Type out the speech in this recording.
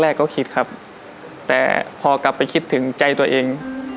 แรกก็คิดครับแต่พอกลับไปคิดถึงใจตัวเอง